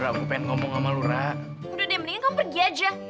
udah deh mendingan kamu pergi aja